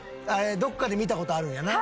どっかで見た事あるんやな？